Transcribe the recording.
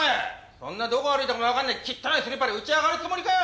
そんなどこ歩いたかもわかんない汚いスリッパでうち上がるつもりかよ！